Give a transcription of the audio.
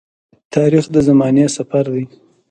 تاریخ د زمانې سفر دی.